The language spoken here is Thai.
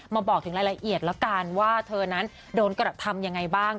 บอกถึงรายละเอียดแล้วกันว่าเธอนั้นโดนกระทำยังไงบ้าง